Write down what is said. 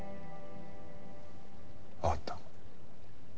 わかった。